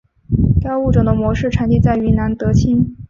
该物种的模式产地在云南德钦。